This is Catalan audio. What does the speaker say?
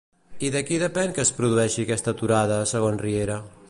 I de qui depèn que es produeixi aquesta aturada, segons Riera?